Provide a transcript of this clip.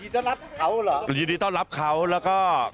ตอนนี้ยืนยืดต้อนรับเขาเหรอ